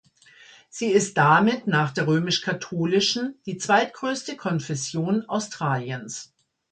Sie ist damit nach der römisch-katholischen die zweitgrößte Konfession Australiens.